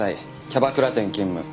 キャバクラ店勤務。